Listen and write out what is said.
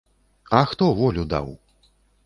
А хто волю даў?